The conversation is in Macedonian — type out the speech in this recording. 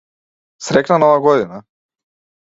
Среќна нова година.